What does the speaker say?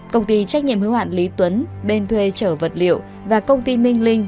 công ty trách nhiệm hữu hạn lý tuấn bên thuê chở vật liệu và công ty minh linh